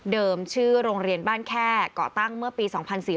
เดิมชื่อโรงเรียนบ้านแค่ก่อตั้งเมื่อปี๒๔๘๑